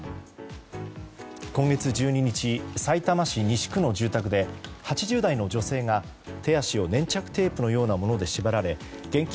今月１２日さいたま市西区の住宅で８０代の女性が手足を粘着テープのようなもので縛られ現金